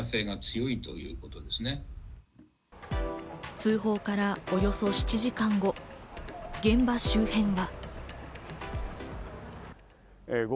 通報からおよそ７時間後、現場周辺は。